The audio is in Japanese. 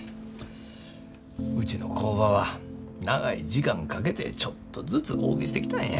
うちの工場は長い時間かけてちょっとずつ大きしてきたんや。